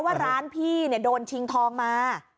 ว่าร้านพี่โดนชิงทองมา